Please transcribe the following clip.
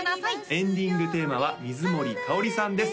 エンディングテーマは水森かおりさんです